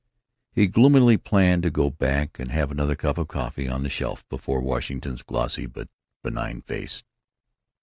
He gloomily planned to go back and have another cup of coffee on the shelf before Washington's glassy but benign face.